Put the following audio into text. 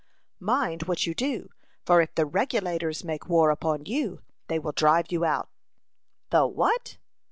"Mind what you do, for if the 'Regulators' make war upon you, they will drive you out." "The what?"